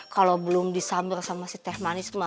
kalau belum disambar sama si teh manis mah